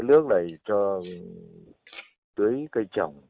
cái nước này cho tưới cây trồng